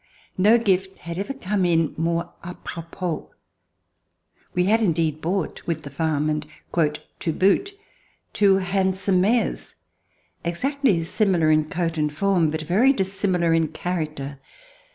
No gift had ever come in more a propos. We had indeed bought with the farm, and "to boot," two handsome mares, exactly similar in coat and form, but very dissimilar in character.